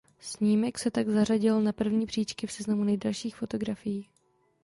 Snímek se tak zařadil na první příčky v seznamu nejdražších fotografií.